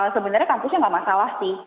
sebenarnya kampusnya nggak masalah sih